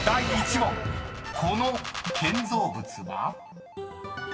［この建造物は？］